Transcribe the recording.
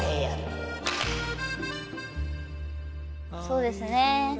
そうですね。